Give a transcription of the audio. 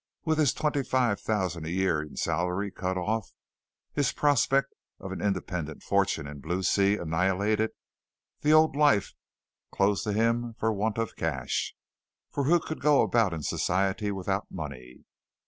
With his twenty five thousand a year in salary cut off, his prospect of an independent fortune in Blue Sea annihilated, the old life closed to him for want of cash, for who can go about in society without money?